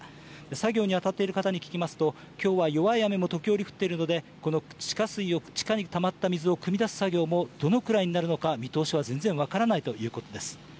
作業に当たっている方に聞きますと、きょうは弱い雨も時折降っているので、この地下水を、地下にたまった水をくみ出す作業もどのくらいになるのか見通しは全然分からないということです。